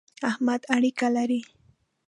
احمد اړېکی لري.